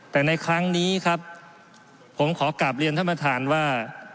แต่ในครั้งนี้ครับผมขอกลับเรียนท่านประธานว่า